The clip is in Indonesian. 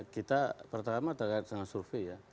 kita pertama tergantung survei ya